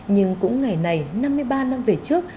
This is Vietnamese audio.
nhưng cũng ngày này năm mươi ba năm về trước